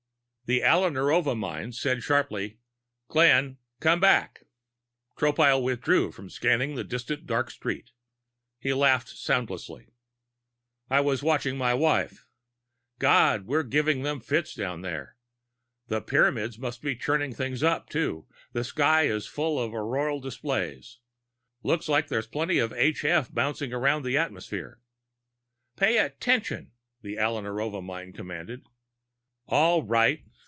The Alla Narova mind said sharply: "Glenn, come back!" Tropile withdrew from scanning the distant dark street. He laughed soundlessly. "I was watching my wife. God, we're giving them fits down there! The Pyramids must be churning things up, too the sky is full of auroral displays. Looks like there's plenty of h f bouncing around the atmosphere." "Pay attention!" the Alla Narova mind commanded. "All right."